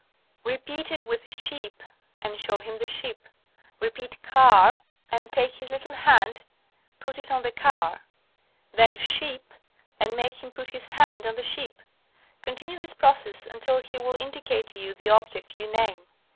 Repeat it with "sheep" and show him the sheep. Repeat "car," and take his little hand, put it on the car. Then "sheep," and make him put his hand on the sheep. Continue this process until he will indicate to you the object you name.